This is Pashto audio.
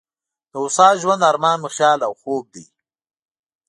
د هوسا ژوند ارمان مو خیال او خوب دی.